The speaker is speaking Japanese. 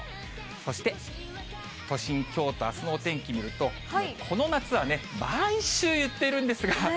そして都心、きょうとあすのお天気見ると、この夏はね、毎週言ってるんですが。